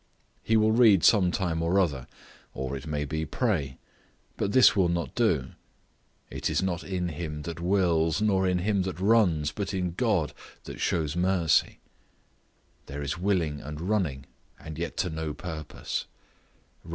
He will read some time or other, or, it may be, pray; but this will not do—"It is not in him that wills, nor in him that runs, but in God that shews mercy;" there is willing and running, and yet to no purpose; Rom.